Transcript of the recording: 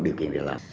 điều kiện để làm